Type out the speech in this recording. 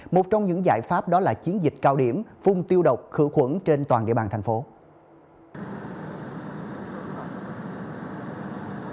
một trong những giải pháp đó là chiến dịch cao điểm phung tiêu độc khử khuẩn trên toàn địa bàn thành phố